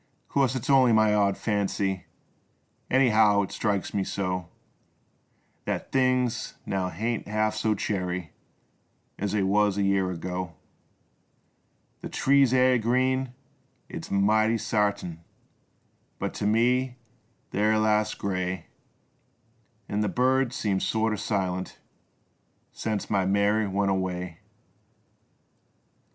Course its only my odd fancy Anyhow it strikes me so, Thet things now haint half so cheery As they was a year ago. The trees air green, its mighty sartin But to me the^^'re alius gray An' the birds seem sorter silent Sence my Mary went away. SENCE MY MARY WENT AWAY.